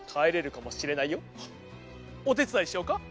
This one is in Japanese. おてつだいしようか？